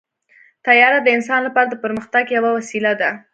طیاره د انسان لپاره د پرمختګ یوه وسیله ده.